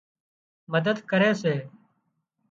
مدد ڪري سي